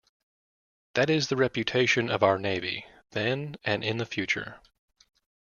That is the reputation of our Navy, then and in the future.